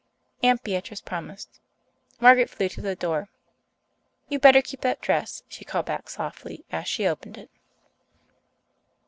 Aunt Beatrice promised. Margaret flew to the door. "You'd better keep that dress," she called back softly, as she opened it.